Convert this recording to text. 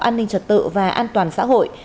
an ninh trật tự và an toàn xã hội